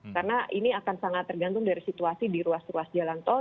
karena ini akan sangat tergantung dari situasi di ruas ruas jalan tol